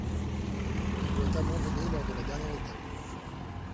Il doit abandonner lors de la dernière étape.